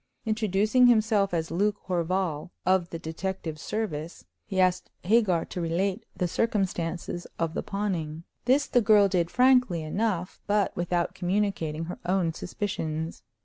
Introducing himself as Luke Horval, of the detective service, he asked Hagar to relate the circumstances of the pawning. This the girl did frankly enough, but without communicating her own suspicions.